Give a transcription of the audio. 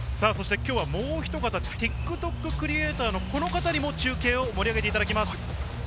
今日はもうひと方、ＴｉｋＴｏｋクリエイターのこの方にも中継を盛り上げていただきます。